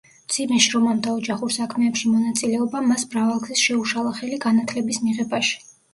მძიმე შრომამ და ოჯახურ საქმეებში მონაწილეობამ მას მრავალგზის შეუშალა ხელი განათლების მიღებაში.